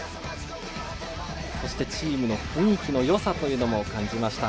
そして、チームの雰囲気のよさというのも感じました。